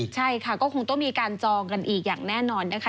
ใช่ค่ะก็คงต้องมีการจองกันอีกอย่างแน่นอนนะคะ